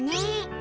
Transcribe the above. え？